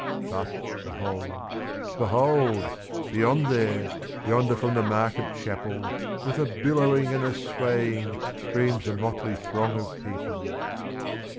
But behold, behold! beyond there, Yonder from the market chapel, With a billowing and a swaying, Streams the motley throng of people.